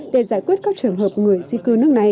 để giải quyết các trường hợp người di cư nước này